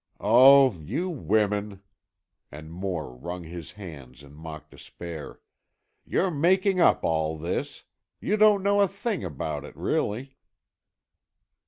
"Oh, you women!" and Moore wrung his hands in mock despair, "you're making up all this. You don't know a thing about it, really."